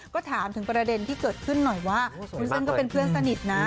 ก็ถามถึงประเด็นที่เกิดขึ้นหน่อยว่าวุ้นเส้นก็เป็นเพื่อนสนิทนะ